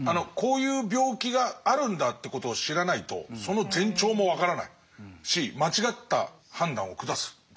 こういう病気があるんだってことを知らないとその前兆も分からないし間違った判断を下す。